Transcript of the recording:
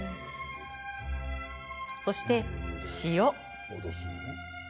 そして塩。